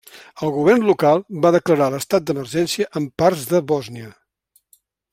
El govern local va declarar l'estat d'emergència en parts de Bòsnia.